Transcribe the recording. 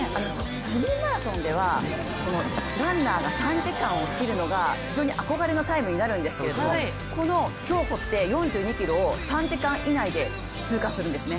市民マラソンではランナーが３時間を切るのが非常に憧れのタイムになるんですけど、この競歩って、４２ｋｍを３時間以内で通過するんですね。